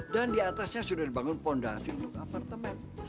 dan di atasnya sudah dibangun fondasi untuk apartemen